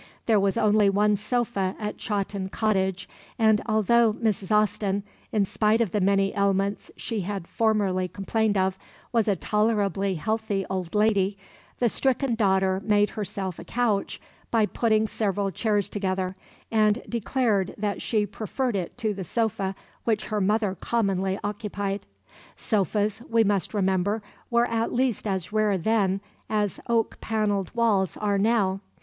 There was only one sofa at Chawton Cottage, and although Mrs. Austen, in spite of the many ailments she had formerly complained of, was a tolerably healthy old lady, the stricken daughter made herself a couch by putting several chairs together, and declared that she preferred it to the sofa which her mother commonly occupied. Sofas, we must remember, were at least as rare then as oak panelled walls are now.